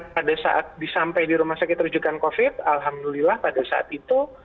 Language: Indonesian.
pada saat disampai di rumah sakit rujukan covid alhamdulillah pada saat itu